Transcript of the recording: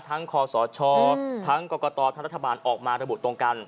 ทั้งคอสชทั้งกรกตทางรัฐบาลออกมาระบุตรงกัน